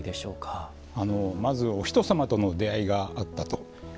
まずお人様との出会いがあったと。